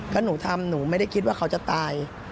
ถ้าหนูทำหนูไม่ได้คิดว่าเขาจะตาย